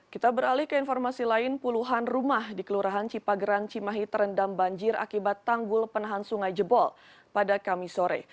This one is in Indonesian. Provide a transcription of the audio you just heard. kita beralih ke informasi lain puluhan rumah di kelurahan cipageran cimahi terendam banjir akibat tanggul penahan sungai jebol pada kamis sore